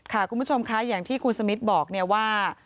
คุณผู้ชมค่ะอย่างที่คุณสมิทบอกเนี่ยว่า